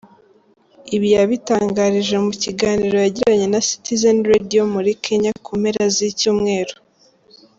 Ibi yabitangarije mu kiganiro yagiranye na Citizen Radio muri Kenya mu mpera z’icyumweru.